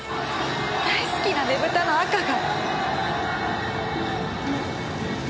大好きなねぶたの赤が。